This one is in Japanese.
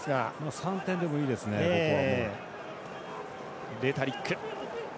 ３点でもいいですね、ここは。